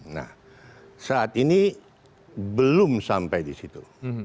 nah saat ini belum sampai di situ